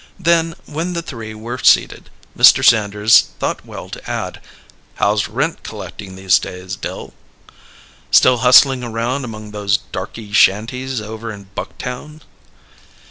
Then, when the three were seated, Mr. Sanders thought well to add: "How's rent collecting these days, Dill? Still hustling around among those darky shanties over in Bucktown?"